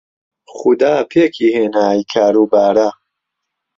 خودا پێکی هێنای کار و بارە